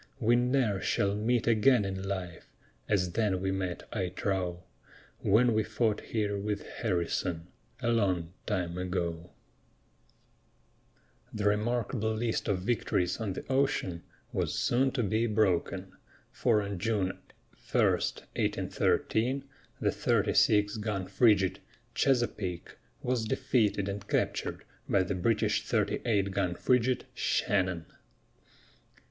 We ne'er shall meet again in life As then we met, I trow, When we fought here with Harrison, A long time ago. The remarkable list of victories on the ocean was soon to be broken, for on June 1, 1813, the 36 gun frigate, Chesapeake, was defeated and captured by the British 38 gun frigate, Shannon.